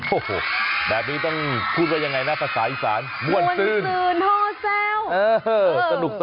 โอ้โหแบบนี้ต้องพูดว่ายังไงนะภาษาอีสานม่วนซื่นม่วนซื่นโทรแจ้ว